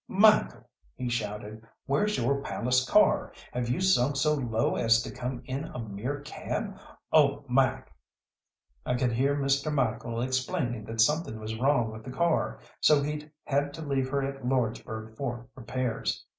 "Michael!" he shouted, "where's your palace car? Have you sunk so low as to come in a mere cab? Oh, Mike!" I could hear Mr. Michael explaining that something was wrong with the car, so he'd had to leave her at Lordsburgh for repairs.